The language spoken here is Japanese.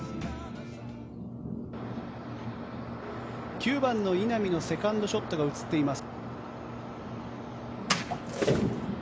９番の稲見のセカンドショットが映っています。